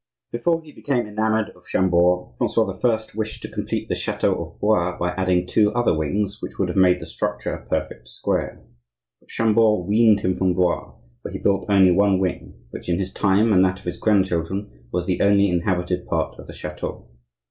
Before he became enamoured of Chambord, Francois I. wished to complete the chateau of Blois by adding two other wings, which would have made the structure a perfect square. But Chambord weaned him from Blois, where he built only one wing, which in his time and that of his grandchildren was the only inhabited part of the chateau.